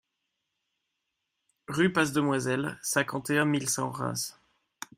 Rue Passe Demoiselles, cinquante et un mille cent Reims